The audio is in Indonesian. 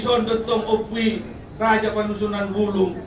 saya berterima kasih kepada raja penusunan bulung